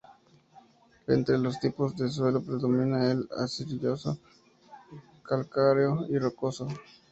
Entre los tipos de suelo predomina el arcilloso, calcáreo y rocoso.